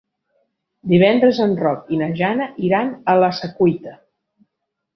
Divendres en Roc i na Jana iran a la Secuita.